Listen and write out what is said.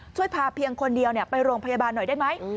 ช่วยพาเพียงคนเดียวไปโรงพยาบาลหน่อยได้ไหม